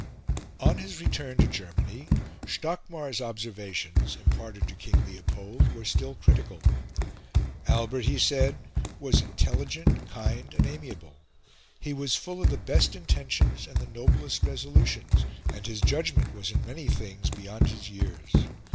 On his return to Germany, Stockmar's observations, imparted to King Leopold, were still critical. Albert, he said, was intelligent, kind, and amiable; he was full of the best intentions and the noblest resolutions, and his judgment was in many things beyond his years.